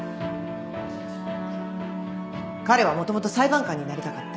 彼はもともと裁判官になりたかった。